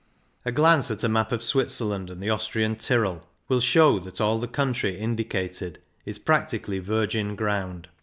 A glance at a map of Switzerland and the Austrian Tyrol will show that all the country indicated is prac tically virgin ground.